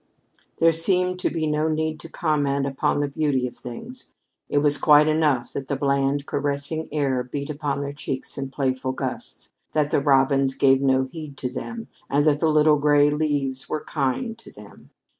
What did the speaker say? There seemed to be no need to comment upon the beauty of things. It was quite enough that the bland, caressing air beat upon their cheeks in playful gusts, that the robins gave no heed to them, and that "the little gray leaves were kind" to them.